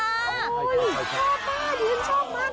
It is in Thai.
ชอบชอบมาก